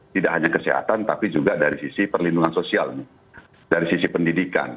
tidak hanya kesehatan tapi juga dari sisi perlindungan sosial dari sisi pendidikan